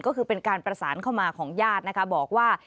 ก็คือเป็นการประสานเข้ามาของญาตินะคะบอกว่า